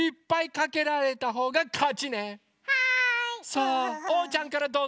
さあおうちゃんからどうぞ！